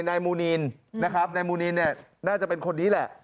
นายมูนินนะครับนายมูนินเนี่ยน่าจะเป็นคนนี้แหละ